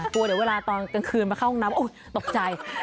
กลัวเดี๋ยวเวลาตอนกลางคืนมาเข้าห้องน้ำตกใจ